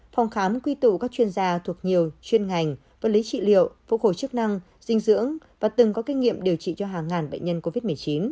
phòng khám quy tụ các chuyên gia thuộc nhiều chuyên ngành vật lý trị liệu phục hồi chức năng dinh dưỡng và từng có kinh nghiệm điều trị cho hàng ngàn bệnh nhân covid một mươi chín